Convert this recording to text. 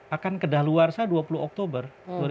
akan kedaluarsa dua puluh oktober dua ribu dua puluh